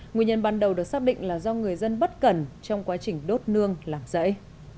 nguyên nhân ban đầu được xác định là do người dân bất cần trong quá trình đốt nương làm rẫy